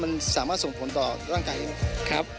มันสามารถส่งผลต่อร่างกายได้ไหมครับ